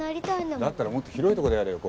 だったらもっと広いとこでやれよ